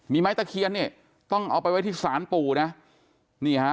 มีไม้ตะเคียนต้องเอาไปไว้ที่ศาลปู่นะ